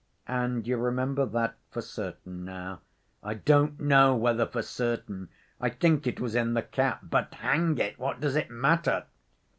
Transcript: "And you remember that for certain now?" "I don't know whether for certain. I think it was in the cap. But, hang it, what does it matter?"